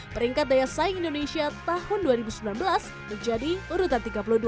peringkat daya saing indonesia tahun dua ribu sembilan belas menjadi urutan tiga puluh dua